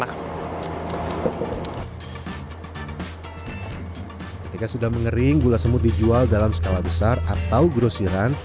ketika sudah mengering gula semut dijual dalam skala besar atau grosiran